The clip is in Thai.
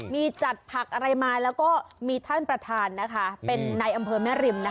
มีจัดผักอะไรมาแล้วก็มีท่านประธานนะคะเป็นในอำเภอแม่ริม